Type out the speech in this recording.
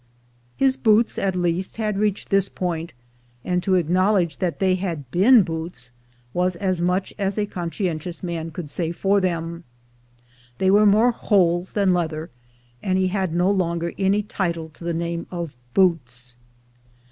His boots at least had reached this point, and to acknowledge that they had been boots was as much as a conscientious man could say for them. They were more holes than leather, and had no longer any title to the name of boots.